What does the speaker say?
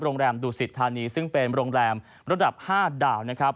ดูสิทธานีซึ่งเป็นโรงแรมระดับ๕ดาวนะครับ